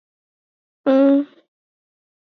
nijiridhishe kwamba kuondoka kwa bagbo